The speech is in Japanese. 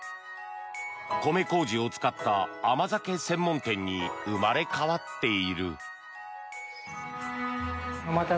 米麹を使った甘酒専門店に生まれ変わっている。